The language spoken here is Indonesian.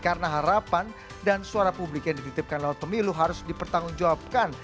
karena harapan dan suara publik yang dititipkan oleh pemilu harus dipertanggung jawabkan